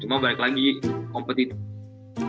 cuma balik lagi kompetitif